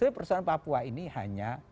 persoalan papua ini hanya